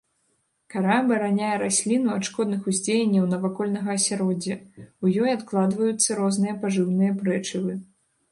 Кара абараняе расліну ад шкодных уздзеянняў навакольнага асяроддзя, у ёй адкладваюцца розныя пажыўныя рэчывы.